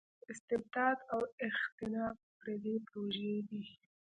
استبداد او اختناق پردۍ پروژې دي.